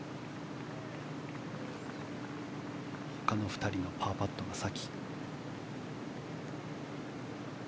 ２人のパーパットが先。